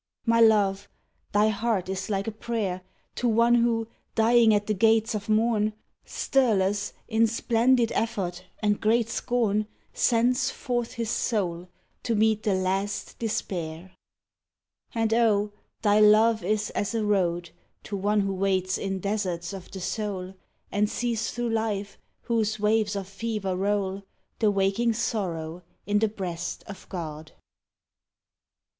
My Love, thy heart is like a prayer To one who, dying at the gates of morn, Stirless, in splendid effort and great scorn, Sends forth his soul to meet the last despair. 66 SONG And oh, thy Love is as a road To one who waits in deserts of the soul, And sees through Life, whose waves of fever roll, The waking Sorrow in the breast of God.